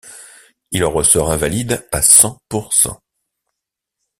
Il en ressort invalide à cent pour cent.